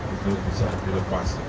itu bisa dilepas